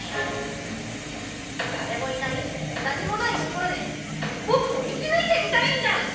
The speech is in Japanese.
誰もいない何もないところでボクも生き抜いてみたいんだ！